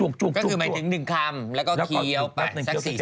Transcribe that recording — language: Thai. ก็คือหมายถึงหนึ่งคำแล้วก็เคี้ยวไปสักสิบ